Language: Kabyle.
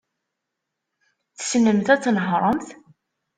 Tessnemt ad tnehṛemt?